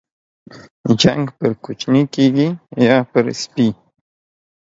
جنگ پر کوچني کېږي ، يا پر سپي.